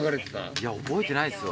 いや覚えてないっすわ。